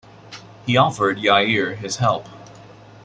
He offered Jair his help.